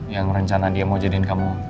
yang rencana dia mau jadiin kamu